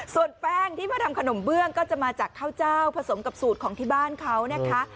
ส่วนแป้งที่มาทำขนมเบื้องก็จะมาจากข้าวเจ้าผสมกับสูตรของที่บ้านเขานะคะ